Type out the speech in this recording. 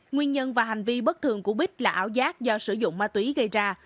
nguyên nhân và hành vi bất thường của bích là ảo giác do sử dụng ma túy gây ra